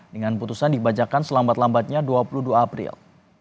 dengan putusan dibacakan selambat lambatnya dua puluh dua april